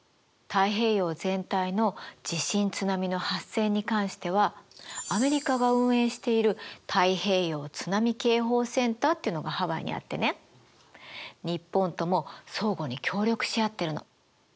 太平洋全体の地震津波の発生に関してはアメリカが運営している太平洋津波警報センターっていうのがハワイにあってね日本とも相互に協力し合ってるの。